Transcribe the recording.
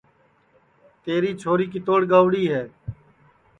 منگتیا تیری چھوری کِتوڑ گئیوڑی ہے